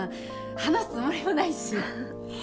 話すつもりもないし。